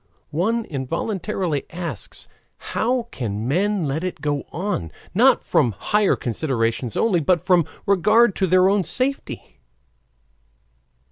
One involuntarily asks how can men let it go on, not from higher considerations only, but from regard to their own safety?